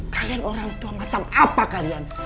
kalian orang tua macam apa kalian